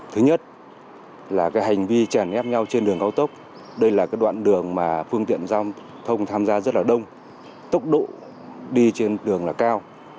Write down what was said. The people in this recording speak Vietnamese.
thứ nhất là cái hành vi chèn ép nhau trên đường cao tốc đây là cái đoạn đường mà phương tiện giao thông tham gia rất là đông tốc độ đi trên đường là cao